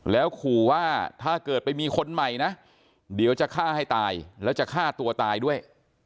แล้วขู่ว่าถ้าเกิดไปมีคนใหม่นะเดี๋ยวจะฆ่าให้ตายแล้วจะฆ่าตัวตายด้วย